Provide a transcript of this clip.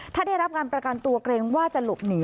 ถ้าได้รับการประกันตัวเกรงว่าจะหลบหนี